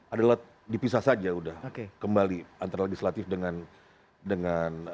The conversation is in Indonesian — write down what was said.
adalah dipisah saja sudah kembali antara legislatif dengan